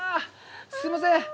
すいません。